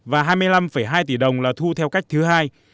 và hai mươi năm hai tỷ đồng là thu theo cách thứ hai